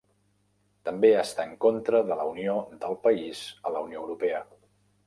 També està en contra de la unió del país a la Unió Europea.